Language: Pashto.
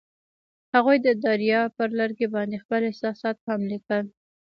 هغوی د دریا پر لرګي باندې خپل احساسات هم لیکل.